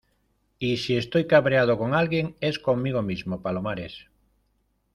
y si estoy cabreado con alguien es conmigo mismo, Palomares.